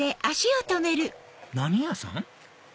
何屋さん？